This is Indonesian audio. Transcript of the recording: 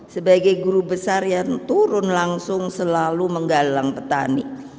sebagai guru besar yang turun langsung selalu menggalang petani